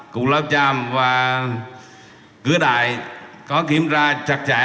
cục lắp chăm và cửa đại có kiểm tra chặt chẽ